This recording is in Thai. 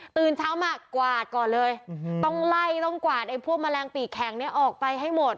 ตื่นเช้ามากวาดก่อนเลยต้องไล่ต้องกวาดไอ้พวกแมลงปีกแข็งเนี่ยออกไปให้หมด